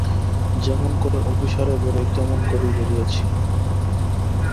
যেমন করে অভিসারে বেরোয় তেমনি করেই বেরিয়েছি।